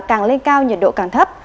càng lên cao nhiệt độ càng thấp